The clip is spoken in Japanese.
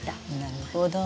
なるほど。